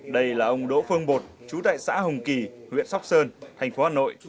đây là ông đỗ phương bột chú tại xã hồng kỳ huyện sóc sơn thành phố hà nội